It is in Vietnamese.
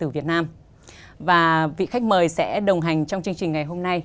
và vị khách mời sẽ đồng hành trong chương trình ngày hôm nay